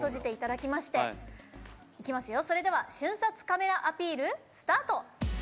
それでは瞬殺カメラアピール、スタート。